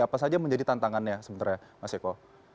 apa saja menjadi tantangannya sebenarnya mas eko